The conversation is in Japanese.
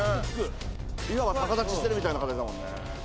いわば逆立ちしてるみたいな形だもんね。